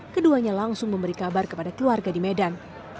keduanya langsung memberi kabar kepada keluarga di medan